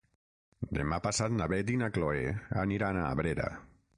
Demà passat na Beth i na Chloé aniran a Abrera.